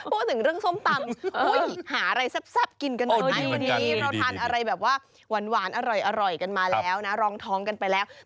พูดถึงเรื่องส้มตำ